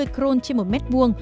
một bảy mươi crôn trên một mét vuông